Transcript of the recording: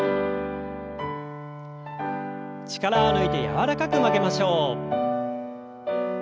力を抜いて柔らかく曲げましょう。